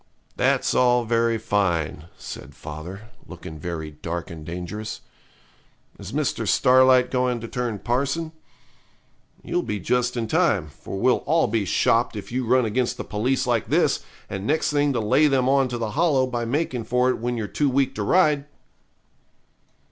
'That's all very fine,' said father, looking very dark and dangerous. 'Is Mr. Starlight going to turn parson? You'll be just in time, for we'll all be shopped if you run against the police like this, and next thing to lay them on to the Hollow by making for it when you're too weak to ride.'